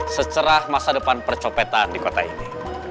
secerah masa depan percopetan di kota ini